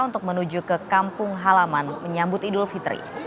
untuk menuju ke kampung halaman menyambut idul fitri